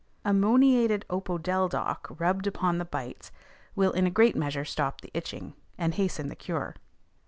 Ammoniated opodeldoc rubbed upon the bites will in a great measure stop the itching, and hasten the cure.